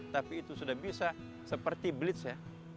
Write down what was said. tapi itu sudah bisa seperti blitz ya